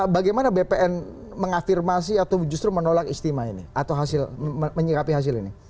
bagaimana bpn mengafirmasi atau justru menolak istimewa ini atau hasil menyikapi hasil ini